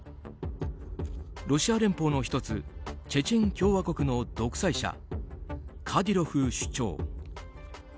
ロシア連邦の１つチェチェン共和国の独裁者カディロフ首長。